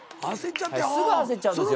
すぐ焦っちゃうんですよ。